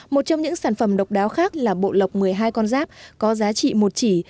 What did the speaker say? một trong những sản phẩm độc đáo khác là bộ lọc một mươi hai con giáp có giá trị một chỉ